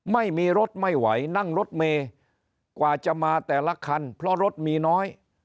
ไม่มีรถไม่ไหวนั่งรถเมย์กว่าจะมาแต่ละคันเพราะรถมีน้อย